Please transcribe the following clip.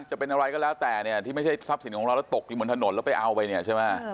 จะเป็นอะไรก็แล้วแต่เนี่ยที่ไม่ใช่ทรัพย์สินของเราแล้วตกอยู่บนถนนแล้วไปเอาไปเนี่ยใช่ไหม